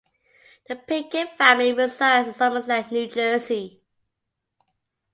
The Pinkett family resides in Somerset, New Jersey.